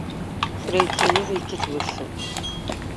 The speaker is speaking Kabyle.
Kra yekka yiḍ, yekkat udfel.